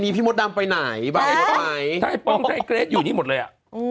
ยิ้มไม่ดีเนี่ย